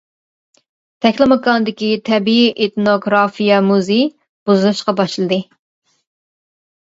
تەكلىماكاندىكى تەبىئىي ئېتنوگرافىيە مۇزېي بۇزۇلۇشقا باشلىدى.